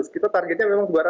kita targetnya memang dua ratus